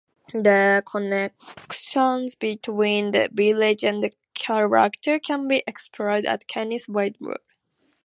The connexion between the village and the character can be explored at Kenneth Widmerpool.